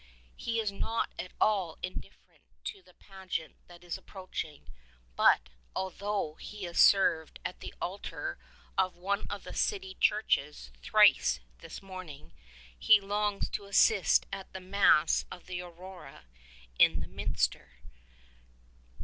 He is not at all indifferent to the pageant that is approaching ; but, although 'he has served at the altar of one of the city churches thrice this morning, he longs to assist at the Mass of the Aurora in the minster.